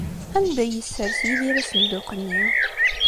Anda ay yessers Yidir asenduq-nni?